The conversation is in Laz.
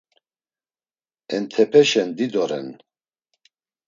Entepeşen dido ren.